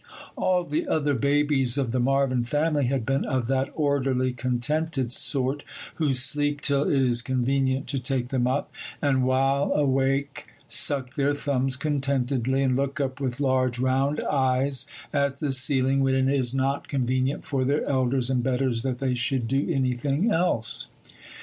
All the other babies of the Marvyn family had been of that orderly, contented sort who sleep till it is convenient to take them up, and while awake suck their thumbs contentedly and look up with large, round eyes at the ceiling when it is not convenient for their elders and betters that they should do anything else.